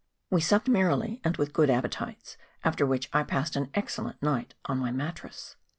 We supped merrily and with good appetites, after which I passed an excellent night on my mat trass.